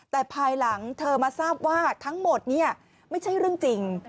แต่ภายหลังเธอมาทราบว่าทั้งหมดเนี่ยไม่ใช่เรื่องจริง